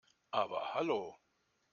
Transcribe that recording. Aber hallo!